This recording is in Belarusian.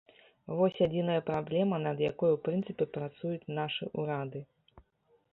Вось адзіная праблема, над якой у прынцыпе працуюць нашы ўрады.